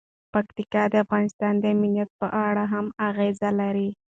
پکتیکا د افغانستان د امنیت په اړه هم اغېز لري.